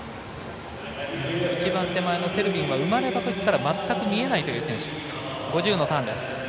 セルビンは生まれたときから全く見えないという選手。